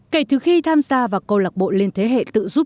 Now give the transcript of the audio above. kể từ khi tham gia vào cơ lộc bộ lên thế hệ